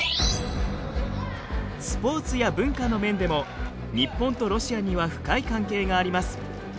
スポーツや文化の面でも日本とロシアには深い関係があります。